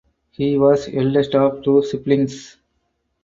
He was eldest of two siblings.